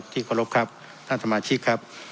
ที่เคารพครับท่านสมาชิกครับ